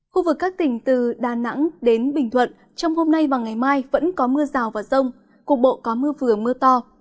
khu vực các tỉnh từ đà nẵng đến bình thuận trong hôm nay và ngày mai vẫn có mưa rào và rông cục bộ có mưa vừa mưa to